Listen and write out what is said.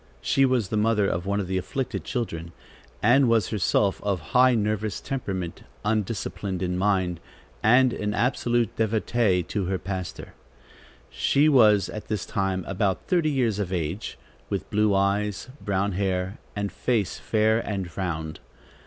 She was the mother of one of the afflicted children, and was herself of high nervous temperament, undisciplined in mind, and an absolute devotee to her pastor. She was at this time about thirty years of age, with blue eyes, brown hair and face fair and round.